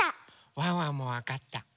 ワンワンもわかった。